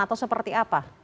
atau seperti apa